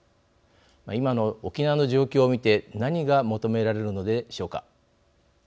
今の沖縄の状況を見て何が求められるのでしょうか。